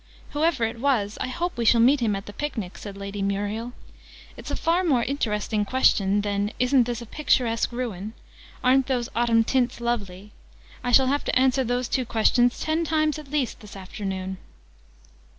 "Whoever it was, I hope we shall meet him at the Picnic!" said Lady Muriel. "It's a far more interesting question than 'Isn't this a picturesque ruin?' Aren't those autumn tints lovely?' I shall have to answer those two questions ten times, at least, this afternoon!"